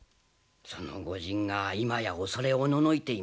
その御仁が今や恐れおののいています。